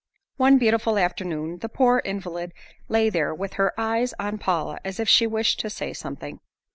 One beautiful afternoon, the poor invalid lay there with her eyes on Paula as if she wished to say something.